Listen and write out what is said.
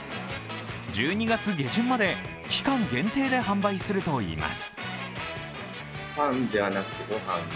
１２月下旬まで期間限定で販売するといいます。